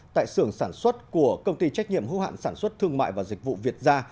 tại xưởng sản xuất của công ty trách nhiệm hữu hạn sản xuất thương mại và dịch vụ việt gia